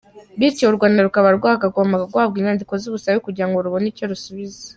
Bityo u Rwanda rukaba rwaragombaga guhabwa inyandiko z’ubusabe kugira ngo rubone icyo rusubiza.’